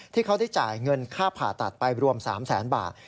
ที่เขาได้จ่ายเงินค่าผ่าตัดไปรวม๓แสนบาท